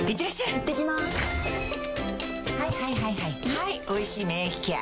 はい「おいしい免疫ケア」